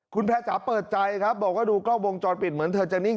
คุณแพร่จ๋าเปิดใจครับบอกว่าดูกล้องวงจรปิดเหมือนเธอจะนิ่ง